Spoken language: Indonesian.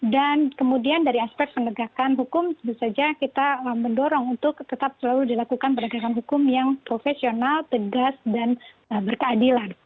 dan kemudian dari aspek penegakan hukum itu saja kita mendorong untuk tetap selalu dilakukan penegakan hukum yang profesional tegas dan berkeadilan